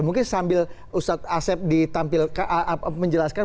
mungkin sambil ustaz asef menjelaskan